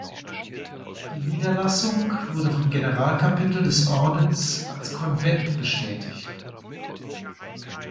Die Niederlassung wurde vom Generalkapitel des Ordens als Konvent bestätigt.